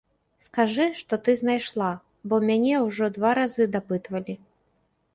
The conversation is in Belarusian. Скажы, што ты знайшла, бо мяне ўжо два разы дапытвалі.